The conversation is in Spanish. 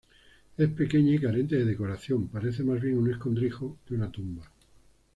Es pequeña y carente de decoración, parece más bien un escondrijo que una tumba.